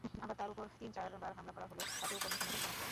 আবার তাঁর ওপর তিন-চারবার হামলা করা হলো, তাতেও কমিশনের টনক নড়েনি।